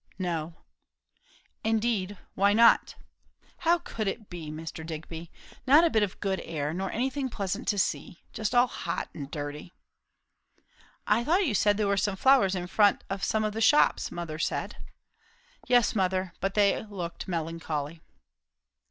"No." "Indeed? Why not?" "How could it be, Mr. Digby? Not a bit of good air, nor anything pleasant to see; just all hot and dirty." "I thought you said there were some flowers in front of some of the shops?" her mother said. "Yes, mother; but they looked melancholy."